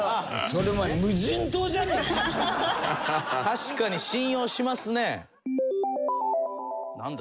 確かに信用しますね。